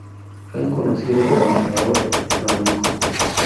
Fue un conocido cantaor flamenco.